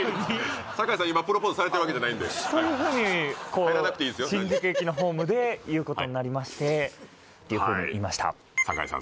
今プロポーズされてるわけじゃないんでそういうふうにこう入らなくていいですよ新宿駅のホームで言うことになりましてっていうふうに言いました酒井さん